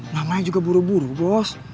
namanya juga buru buru bos bos